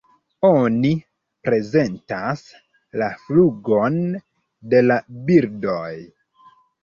Oni prezentas la flugon de la birdoj.